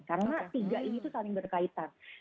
karena tiga ini tuh saling berkaitan